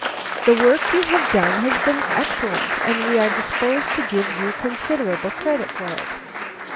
The work you have done has been excellent, and we are disposed to give you considerable credit for it."